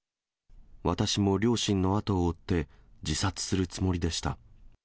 私も両親の後を追って、自殺するつもりでした。